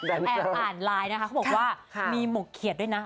แอบอ่านไลน์นะคะเขาบอกว่ามีหมกเขียดด้วยนะ